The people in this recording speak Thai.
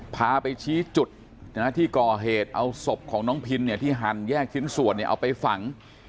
พาไปชี้จุดที่ก่อเหตุเอาศพของน้องพินที่หั่นแยกชิ้นส่วนเอาไปฝัง